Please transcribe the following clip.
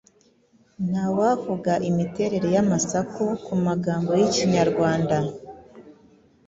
Ntawavuga imiterere y’amasaku ku magambo y’Ikinyarwanda,